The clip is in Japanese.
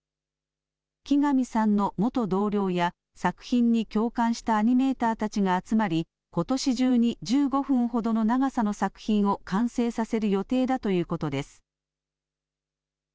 木上さんの元同僚や作品に共感したアニメーターたちが集まり、ことし中に１５分ほどの長さの作品を完成させる予定だということです。